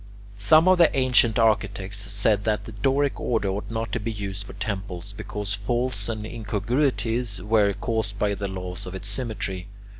Some of the ancient architects said that the Doric order ought not to be used for temples, because faults and incongruities were caused by the laws of its symmetry.